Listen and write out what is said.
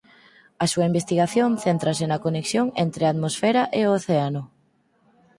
A súa investigación céntrase na conexión entre a atmosfera e o océano.